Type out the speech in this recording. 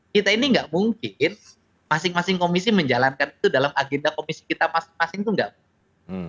kita ini nggak mungkin masing masing komisi menjalankan itu dalam agenda komisi kita masing masing itu nggak mungkin